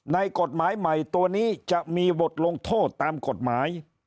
กฎหมายใหม่ตัวนี้จะมีบทลงโทษตามกฎหมาย